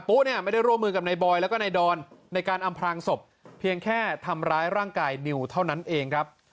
เนี่ยไม่ได้ร่วมมือกับนายบอยแล้วก็นายดอนในการอำพลางศพเพียงแค่ทำร้ายร่างกายนิวเท่านั้นเองครับ